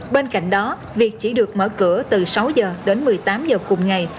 bên cạnh đó việc chỉ được mở cửa từ sáu giờ đến một mươi tám giờ cùng ngày